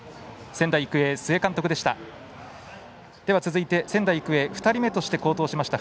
仙台育英、須江監督でした。